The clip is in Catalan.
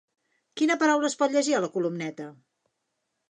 Quina paraula es pot llegir a la columneta?